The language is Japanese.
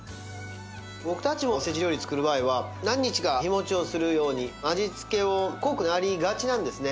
僕たちもおせち料理作る場合は何日か日持ちをするように味付けを濃くなりがちなんですね